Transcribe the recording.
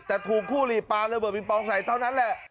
แต่ถูกครัวหลีปลาเริ่มเบิดบินปองใสเท่านั้นแหละ